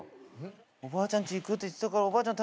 おばあちゃんち行くって言ってたからおばあちゃん